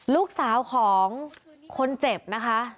ลูกสาวของคนเจ็บนะคะ